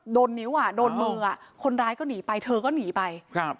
โดนนิ้วอ่ะโดนมืออ่ะคนร้ายก็หนีไปเธอก็หนีไปครับ